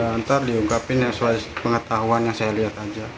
ya ntar diungkapin ya soal pengetahuan yang saya lihat aja